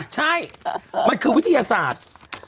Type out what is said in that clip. ใช่มันคือวิทยาศาสตร์